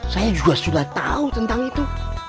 saya juga sudah tahu tentang itu